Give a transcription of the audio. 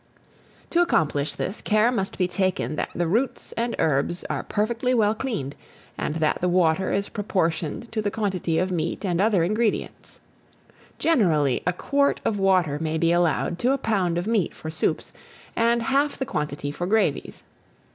To accomplish this, care must be taken that the roots and herbs are perfectly well cleaned, and that the water is proportioned to the quantity of meat and other ingredients. Generally a quart of water may be allowed to a pound of meat for soups, and half the quantity for gravies.